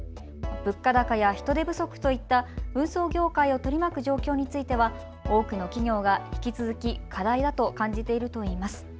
物価高や人手不足といった運送業界を取り巻く状況については多くの企業が引き続き課題だと感じているといいます。